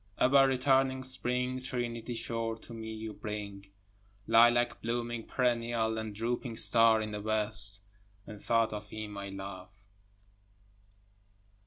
Ever returning spring, trinity sure to me you bring, Lilac blooming perennial and drooping star in the west, And thought of him I love.